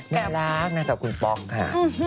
น่ารักนะกับคุณปองค่ะ